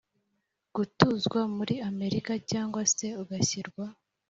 gutuzwa muri Amerika Cyangwa se ugashyirwa